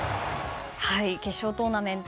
決勝トーナメント